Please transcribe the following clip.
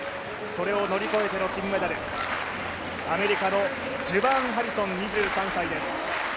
それを乗り越えての金メダル、アメリカのジュバーン・ハリソン２３歳です。